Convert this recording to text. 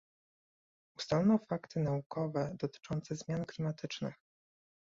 Ustalono fakty naukowe dotyczące zmian klimatycznych